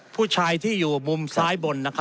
ผู้ชายที่อยู่มุมซ้ายบนนะครับ